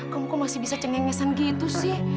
kamu kok masih bisa cengengesan gitu sih